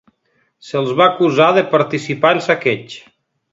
Se'ls va acusar de participar en saqueigs.